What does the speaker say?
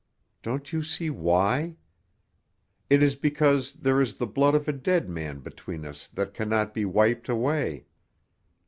Don't you see why? It is because there is the blood of a dead man between us that cannot be wiped away.